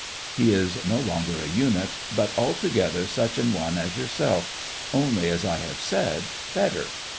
He is no longer a unit; but altogether such an one as yourself—only, as I have said, better.